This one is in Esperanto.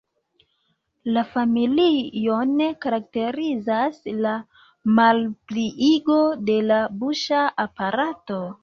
La familion karakterizas la malpliigo de la buŝa aparato.